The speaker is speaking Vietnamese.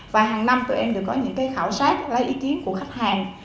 và hàng năm tụi em được có những khảo sát lấy ý kiến của khách hàng